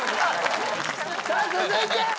さあ続いて。